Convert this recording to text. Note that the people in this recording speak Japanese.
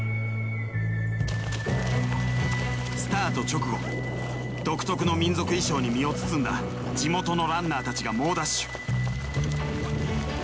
スタート直後独特の民族衣装に身を包んだ地元のランナーたちが猛ダッシュ。